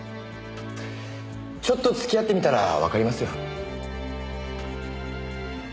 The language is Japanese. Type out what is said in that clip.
ちょっと付き合ってみたらわかりますよ。